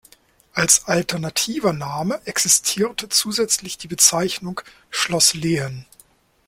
Als alternativer Name existierte zusätzlich die Bezeichnung "Schloss Lehen".